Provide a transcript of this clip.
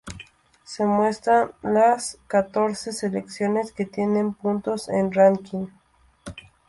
Se muestran las catorce selecciones que tienen puntos en el ranking.